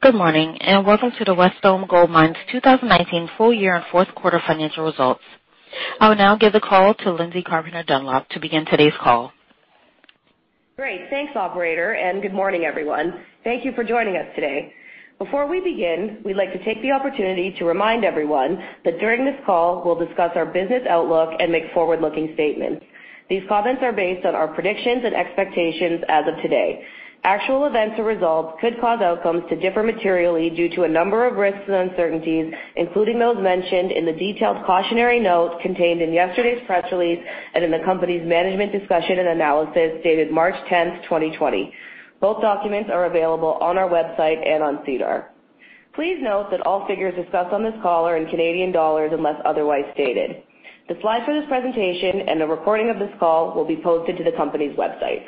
Good morning, welcome to the Wesdome Gold Mines 2019 full year and fourth quarter financial results. I will now give the call to Lindsay Carpenter-Dunlop to begin today's call. Great. Thanks, operator, good morning, everyone. Thank you for joining us today. Before we begin, we'd like to take the opportunity to remind everyone that during this call, we'll discuss our business outlook and make forward-looking statements. These comments are based on our predictions and expectations as of today. Actual events or results could cause outcomes to differ materially due to a number of risks and uncertainties, including those mentioned in the detailed cautionary note contained in yesterday's press release and in the company's management discussion and analysis dated March 10th, 2020. Both documents are available on our website and on SEDAR. Please note that all figures discussed on this call are in Canadian dollars unless otherwise stated. The slides for this presentation and a recording of this call will be posted to the company's website.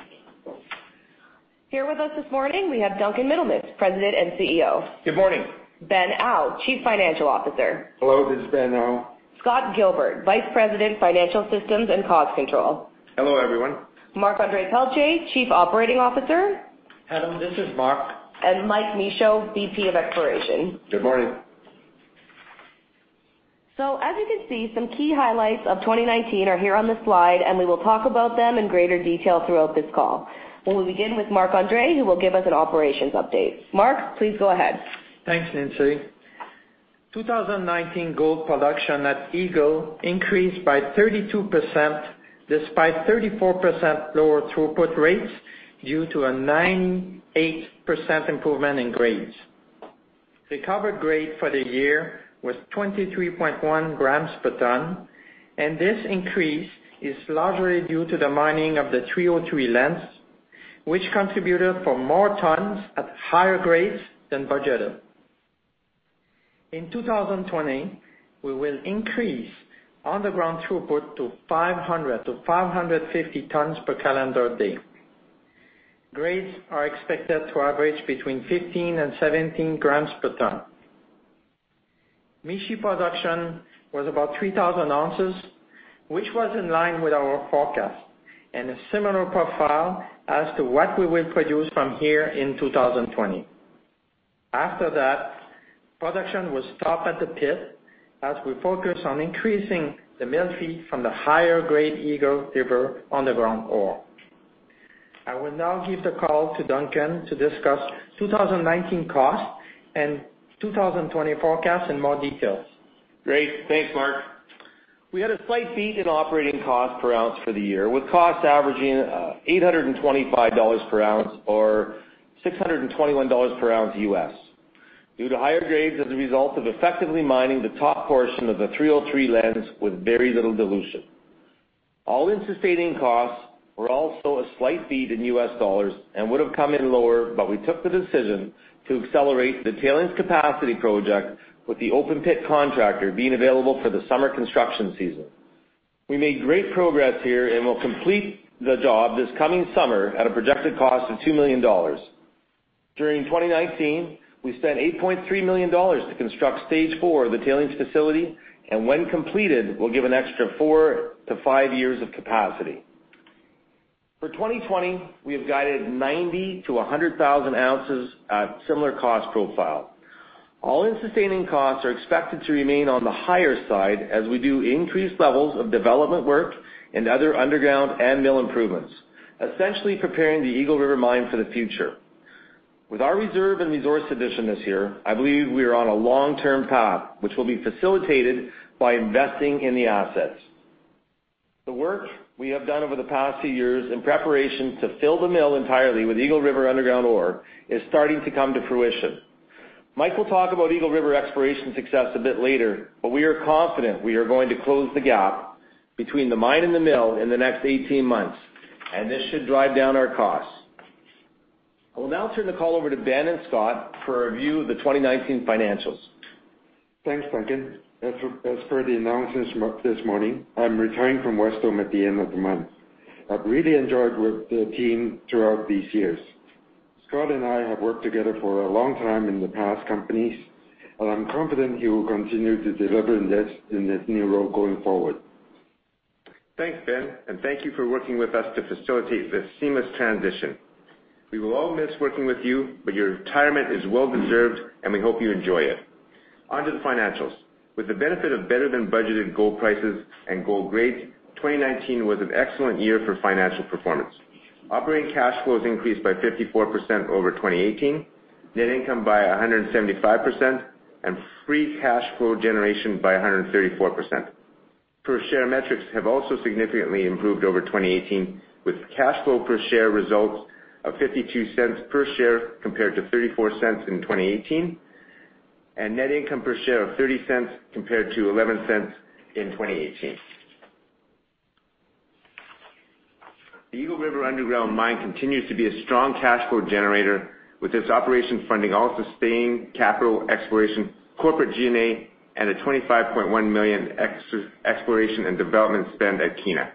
Here with us this morning, we have Duncan Middlemiss, President and CEO. Good morning. Ben Au, Chief Financial Officer. Hello, this is Ben Au. Scott Gilbert, Vice President, Financial Systems and Cost Control. Hello, everyone. Marc-André Pelletier, Chief Operating Officer. Hello, this is Marc. Michael Michaud, VP of Exploration. Good morning. As you can see, some key highlights of 2019 are here on this slide, and we will talk about them in greater detail throughout this call. We will begin with Marc-André, who will give us an operations update. Marc, please go ahead. Thanks, Lindsay. 2019 gold production at Eagle increased by 32%, despite 34% lower throughput rates due to a 98% improvement in grades. Recovered grade for the year was 23.1 g/t. This increase is largely due to the mining of the 303 Lens, which contributed for more tons at higher grades than budgeted. In 2020, we will increase underground throughput to 500 t-550 t per calendar day. Grades are expected to average between 15 g and 17 g per ton. Mishi production was about 3,000 oz, which was in line with our forecast and a similar profile as to what we will produce from here in 2020. After that, production will stop at the pit as we focus on increasing the mill feed from the higher-grade Eagle River underground ore. I will now give the call to Duncan to discuss 2019 costs and 2020 forecasts in more details. Great. Thanks, Marc. We had a slight beat in operating cost per ounce for the year, with costs averaging 825 dollars per ounce or $621 per ounce U.S., due to higher grades as a result of effectively mining the top portion of the 303 Lens with very little dilution. All-in sustaining costs were also a slight beat in US dollars and would have come in lower, we took the decision to accelerate the tailings capacity project with the open pit contractor being available for the summer construction season. We made great progress here and will complete the job this coming summer at a projected cost of 2 million dollars. During 2019, we spent 8.3 million dollars to construct Stage 4 of the tailings facility, and when completed, will give an extra four to five years of capacity. For 2020, we have guided 90,000 oz to 100,000 oz at similar cost profile. All-in sustaining costs are expected to remain on the higher side as we do increased levels of development work and other underground and mill improvements, essentially preparing the Eagle River Mine for the future. With our reserve and resource addition this year, I believe we are on a long-term path, which will be facilitated by investing in the assets. The work we have done over the past two years in preparation to fill the mill entirely with Eagle River underground ore is starting to come to fruition. Mike will talk about Eagle River exploration success a bit later, but we are confident we are going to close the gap between the mine and the mill in the next 18 months, and this should drive down our costs. I will now turn the call over to Ben and Scott for a review of the 2019 financials. Thanks, Duncan. As per the announcements this morning, I'm retiring from Wesdome at the end of the month. I've really enjoyed working with the team throughout these years. Scott and I have worked together for a long time in the past companies, and I'm confident he will continue to deliver in this new role going forward. Thanks, Ben, and thank you for working with us to facilitate this seamless transition. We will all miss working with you, but your retirement is well deserved, and we hope you enjoy it. On to the financials. With the benefit of better-than-budgeted gold prices and gold grades, 2019 was an excellent year for financial performance. Operating cash flows increased by 54% over 2018, net income by 175%, and free cash flow generation by 134%. Per-share metrics have also significantly improved over 2018, with cash flow per share results of 0.52 per share compared to 0.34 in 2018, and net income per share of 0.30 compared to 0.11 in 2018. The Eagle River underground mine continues to be a strong cash flow generator with its operation funding all sustaining capital exploration, corporate G&A, and a 25.1 million exploration and development spend at Kiena.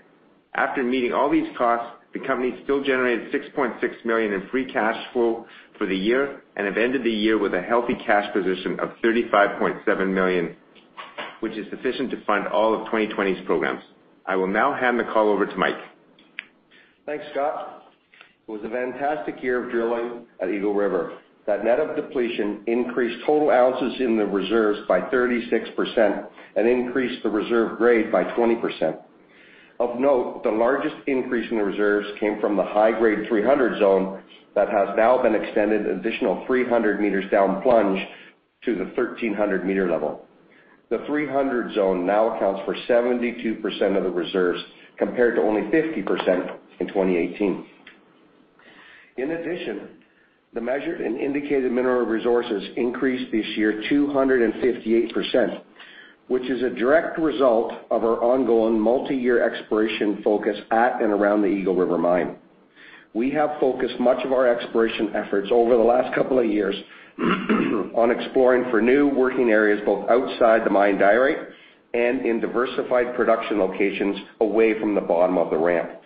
After meeting all these costs, the company still generated 6.6 million in free cash flow for the year and have ended the year with a healthy cash position of 35.7 million, which is sufficient to fund all of 2020's programs. I will now hand the call over to Mike. Thanks, Scott. It was a fantastic year of drilling at Eagle River. That net of depletion increased total ounces in the reserves by 36% and increased the reserve grade by 20%. Of note, the largest increase in the reserves came from the high-grade 300 Zone that has now been extended an additional 300 m down plunge to the 1,300-m level. The 300 Zone now accounts for 72% of the reserves, compared to only 50% in 2018. In addition, the measured and indicated mineral resources increased this year 258%, which is a direct result of our ongoing multi-year exploration focus at and around the Eagle River Mine. We have focused much of our exploration efforts over the last couple of years on exploring for new working areas, both outside the mine diorite and in diversified production locations away from the bottom of the ramp.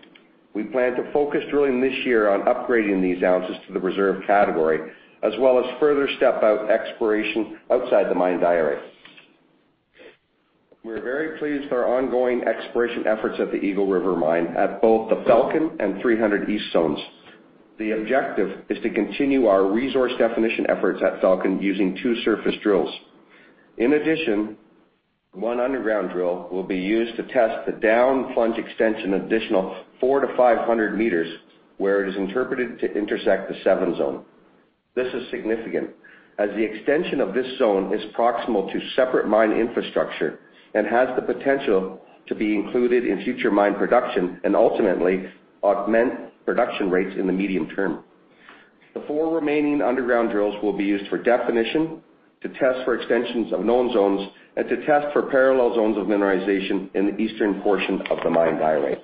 We plan to focus drilling this year on upgrading these ounces to the reserve category, as well as further step-out exploration outside the mine diorite. We're very pleased with our ongoing exploration efforts at the Eagle River Mine at both the Falcon and 300 East zones. The objective is to continue our resource definition efforts at Falcon using two surface drills. In addition, one underground drill will be used to test the down plunge extension an additional 400 m to 500 m, where it is interpreted to intersect the 7 Zone. This is significant, as the extension of this zone is proximal to separate mine infrastructure and has the potential to be included in future mine production, and ultimately augment production rates in the medium term. The four remaining underground drills will be used for definition, to test for extensions of known zones, and to test for parallel zones of mineralization in the eastern portion of the mine diorite.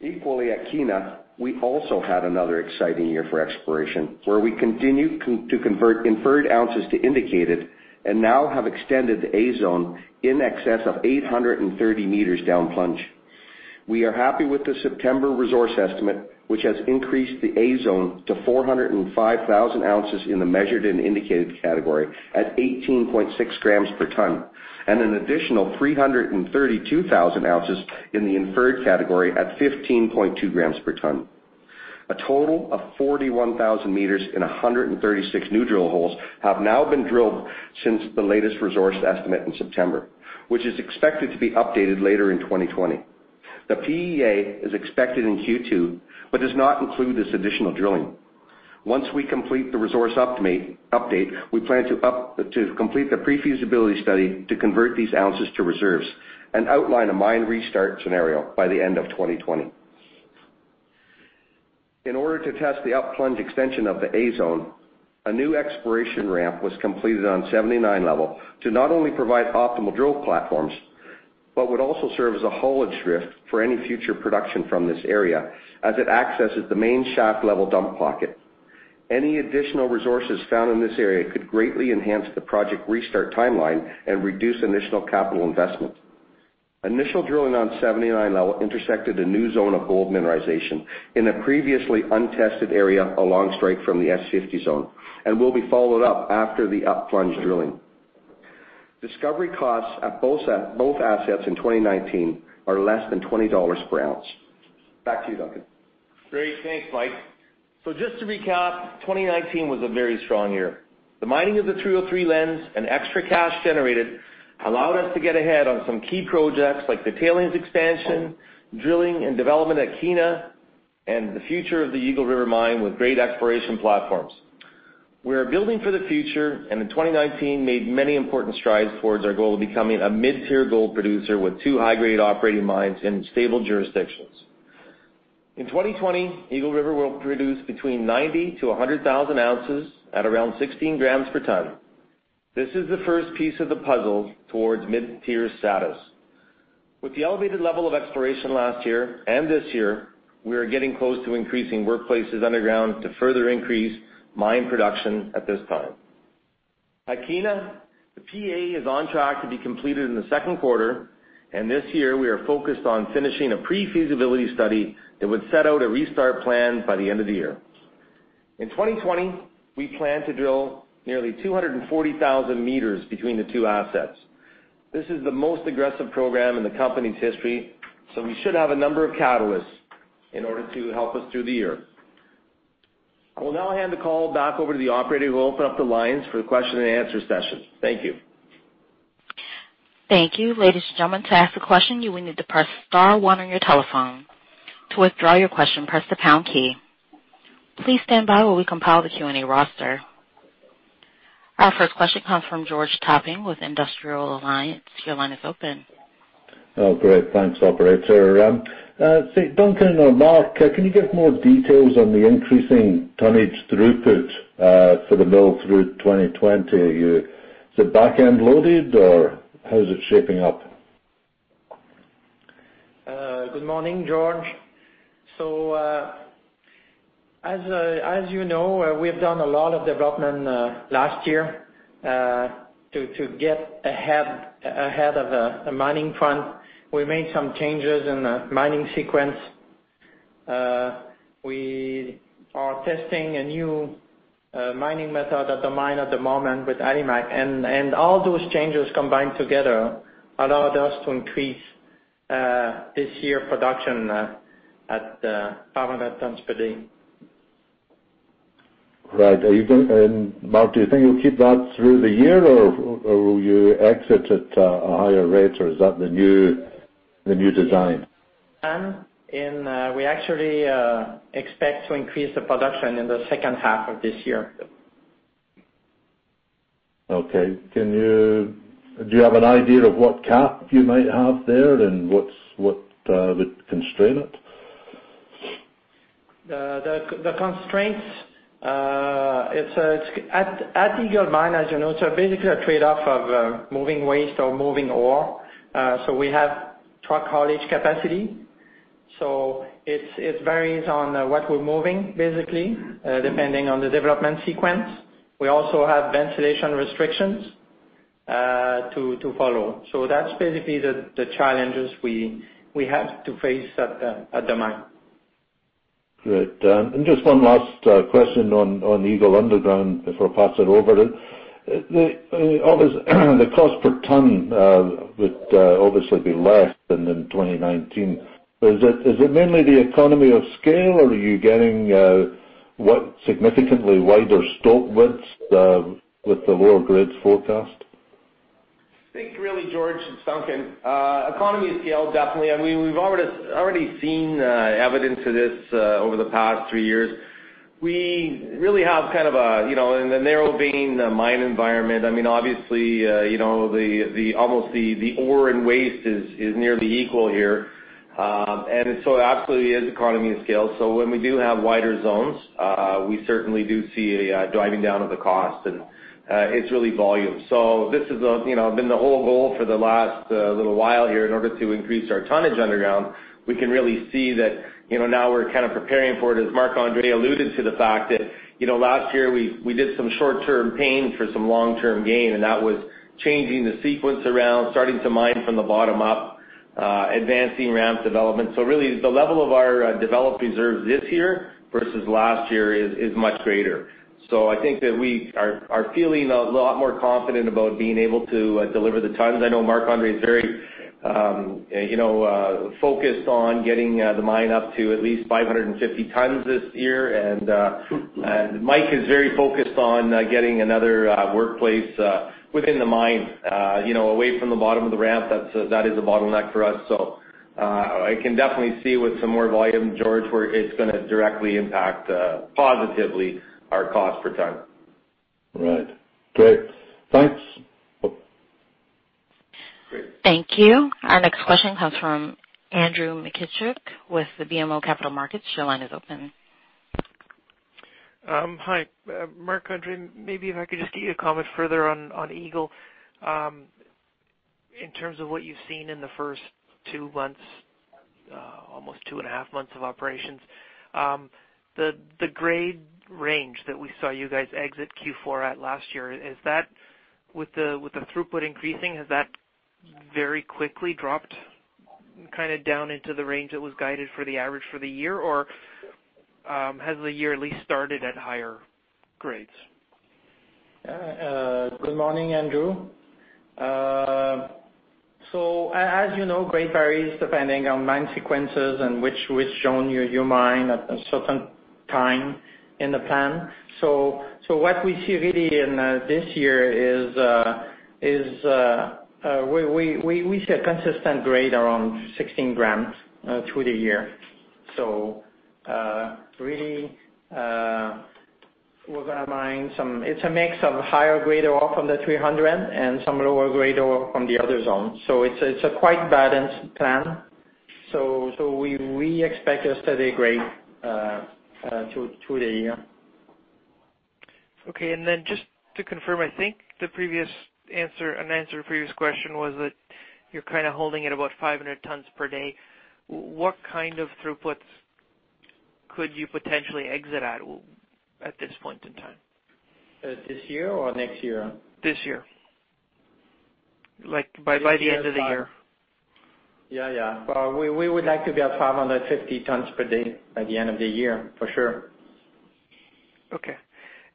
Equally, at Kiena, we also had another exciting year for exploration, where we continued to convert inferred ounces to indicated, and now have extended the A Zone in excess of 830 m down plunge. We are happy with the September resource estimate, which has increased the A Zone to 405,000 oz in the measured and indicated category at 18.6 g/t, and an additional 332,000 oz in the inferred category at 15.2 g/t. A total of 41,000 meters and 136 new drill holes have now been drilled since the latest resource estimate in September, which is expected to be updated later in 2020. The PEA is expected in Q2, does not include this additional drilling. Once we complete the resource update, we plan to complete the pre-feasibility study to convert these ounces to reserves and outline a mine restart scenario by the end of 2020. In order to test the up plunge extension of the A Zone, a new exploration ramp was completed on 79 level to not only provide optimal drill platforms, but would also serve as a haulage drift for any future production from this area as it accesses the main shaft level dump pocket. Any additional resources found in this area could greatly enhance the project restart timeline and reduce initial capital investment. Initial drilling on 79 level intersected a new zone of gold mineralization in a previously untested area along strike from the S50 zone and will be followed up after the up plunge drilling. Discovery costs at both assets in 2019 are less than 20 dollars per ounce. Back to you, Duncan. Great. Thanks, Mike. Just to recap, 2019 was a very strong year. The mining of the 303 Lens and extra cash generated allowed us to get ahead on some key projects like the tailings expansion, drilling and development at Kiena, and the future of the Eagle River Mine with great exploration platforms. We are building for the future, and in 2019, made many important strides towards our goal of becoming a mid-tier gold producer with two high-grade operating mines in stable jurisdictions. In 2020, Eagle River will produce between 90,000 oz-100,000 oz at around 16 g/t. This is the first piece of the puzzle towards mid-tier status. With the elevated level of exploration last year and this year, we are getting close to increasing workplaces underground to further increase mine production at this time. At Kiena, the PEA is on track to be completed in the second quarter. This year, we are focused on finishing a pre-feasibility study that would set out a restart plan by the end of the year. In 2020, we plan to drill nearly 240,000 m between the two assets. This is the most aggressive program in the company's history. We should have a number of catalysts in order to help us through the year. I will now hand the call back over to the operator, who will open up the lines for the question and answer session. Thank you. Thank you. Ladies and gentlemen, to ask a question, you will need to press star one on your telephone. To withdraw your question, press the pound key. Please stand by while we compile the Q&A roster. Our first question comes from George Topping with Industrial Alliance. Your line is open. Oh, great. Thanks, operator. I think Duncan or Marc, can you give more details on the increasing tonnage throughput for the mill through 2020? Is it back-end loaded, or how is it shaping up? Good morning, George. As you know, we have done a lot of development last year to get ahead of the mining front. We made some changes in the mining sequence. We are testing a new mining method at the mine at the moment with Alimak. All those changes combined together allowed us to increase this year production at 500 t per day. Right. Marc, do you think you'll keep that through the year, or will you exit at a higher rate, or is that the new design? We actually expect to increase the production in the second half of this year. Okay. Do you have an idea of what cap you might have there and what would constrain it? The constraints, at Eagle Mine, as you know, it's basically a trade-off of moving waste or moving ore. We have truck haulage capacity. It varies on what we're moving, basically, depending on the development sequence. We also have ventilation restrictions to follow. That's basically the challenges we have to face at the mine. Great. Just one last question on Eagle underground before I pass it over. The cost per ton would obviously be less than in 2019. Is it mainly the economy of scale, or are you getting significantly wider stope widths with the lower grades forecast? I think really, George, it's Duncan. Economy of scale, definitely. We've already seen evidence of this over the past three years. We really have kind of a, in the narrow vein mine environment, obviously, almost the ore and waste is nearly equal here. It absolutely is economy of scale. When we do have wider zones, we certainly do see a driving down of the cost, and it's really volume. This has been the whole goal for the last little while here in order to increase our tonnage underground. We can really see that now we're kind of preparing for it, as Marc-André alluded to the fact that last year we did some short-term pain for some long-term gain, and that was changing the sequence around, starting to mine from the bottom up, advancing ramp development. The level of our developed reserves this year versus last year is much greater. We are feeling a lot more confident about being able to deliver the tons. I know Marc-André is very focused on getting the mine up to at least 550 t this year. Mike is very focused on getting another workplace within the mine away from the bottom of the ramp. That is a bottleneck for us. I can definitely see with some more volume, George, where it's going to directly impact positively our cost per ton. Right. Great. Thanks. Great. Thank you. Our next question comes from Andrew Mikitchook with the BMO Capital Markets. Your line is open. Hi. Marc-André, maybe if I could just get you to comment further on Eagle in terms of what you've seen in the first two months, almost two and a half months of operations. The grade range that we saw you guys exit Q4 at last year, with the throughput increasing, has that very quickly dropped kind of down into the range that was guided for the average for the year, or has the year at least started at higher grades? Good morning, Andrew. As you know, grade varies depending on mine sequences and which zone you mine at a certain time in the plan. What we see really in this year is we see a consistent grade around 16 g through the year. Really, it's a mix of higher grade ore from the 300 and some lower grade ore from the other zone. It's a quite balanced plan. We expect a steady grade through the year. Okay. Just to confirm, I think an answer to a previous question was that you're kind of holding at about 500 t per day. What kind of throughputs could you potentially exit at at this point in time? This year or next year? This year. Like by the end of the year. Yeah. We would like to be at 550 t per day by the end of the year, for sure. Okay.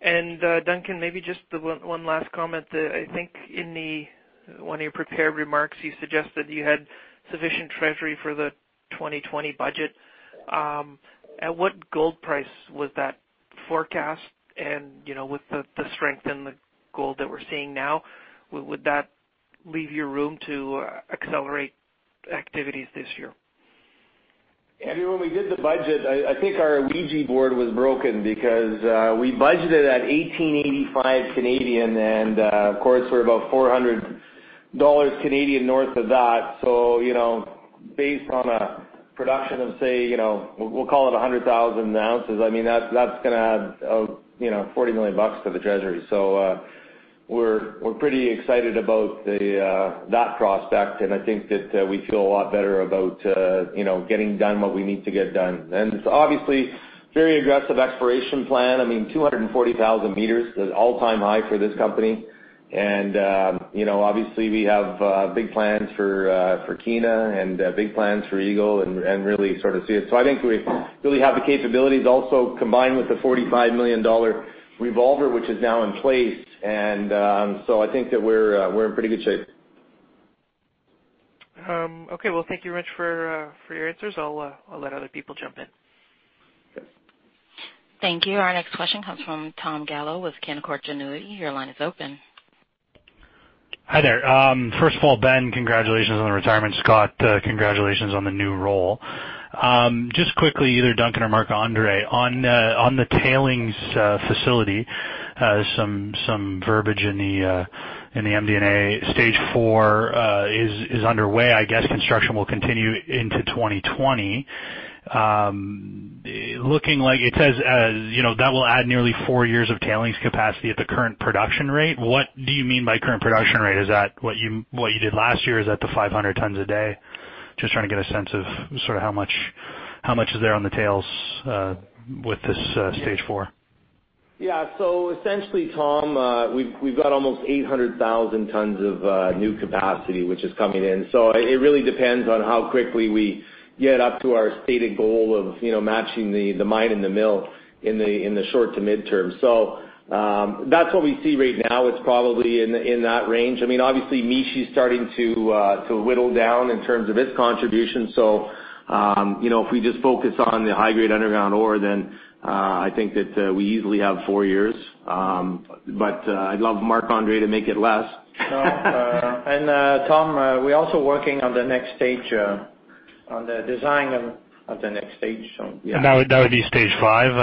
Duncan, maybe just one last comment. I think in one of your prepared remarks, you suggested you had sufficient treasury for the 2020 budget. At what gold price was that forecast? With the strength in the gold that we're seeing now, would that leave you room to accelerate activities this year? Andrew, when we did the budget, I think our Ouija board was broken because we budgeted at 1,885 and, of course, we're about 400 dollars north of that. Based on a production of, say, we'll call it 100,000 oz, that's going to add 40 million bucks to the treasury. We're pretty excited about that prospect. I think that we feel a lot better about getting done what we need to get done. Obviously, it is a very aggressive exploration plan. I mean, 240,000 m, the all-time high for this company. Obviously we have big plans for Kiena and big plans for Eagle and really sort of see it. I think we really have the capabilities also combined with the 45 million dollar revolver, which is now in place. I think that we're in pretty good shape. Okay. Well, thank you very much for your answers. I'll let other people jump in. Yes. Thank you. Our next question comes from Tom Gallo with Canaccord Genuity. Your line is open. Hi there. First of all, Ben, congratulations on the retirement. Scott, congratulations on the new role. Just quickly, either Duncan or Marc-André, on the tailings facility, some verbiage in the MD&A Stage 4 is underway. I guess construction will continue into 2020. Looking like it says, that will add nearly four years of tailings capacity at the current production rate. What do you mean by current production rate? Is that what you did last year? Is that the 500 t a day? Just trying to get a sense of sort of how much is there on the tails with this Stage 5. Yeah. Essentially, Tom, we've got almost 800,000 t of new capacity, which is coming in. It really depends on how quickly we get up to our stated goal of matching the mine and the mill in the short to midterm. That's what we see right now. It's probably in that range. Obviously, Mishi is starting to whittle down in terms of its contribution. If we just focus on the high-grade underground ore, then I think that we easily have four years. I'd love Marc-André to make it less. Tom, we're also working on the design of the next stage, yeah. That would be Stage 5.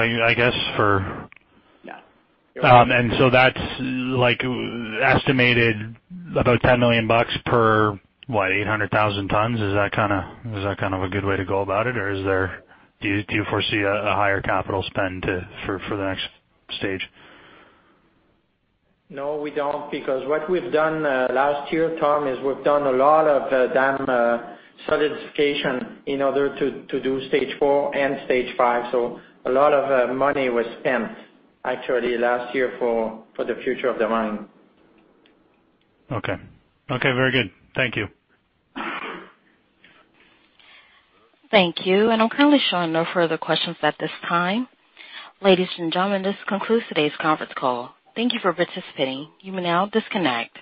Yeah. That's estimated about 10 million bucks per, what, 800,000 t? Is that kind of a good way to go about it? Do you foresee a higher capital spend for the next stage? No, we don't because what we've done last year, Tom, is we've done a lot of dam solidification in order to do Stage 4 and Stage 5. A lot of money was spent actually last year for the future of the mine. Okay. Very good. Thank you. Thank you. I'm currently showing no further questions at this time. Ladies and gentlemen, this concludes today's conference call. Thank you for participating. You may now disconnect.